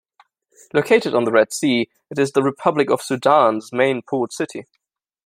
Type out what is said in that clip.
Located on the Red Sea, it is the Republic of Sudan's main port city.